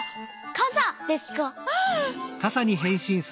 かさですか？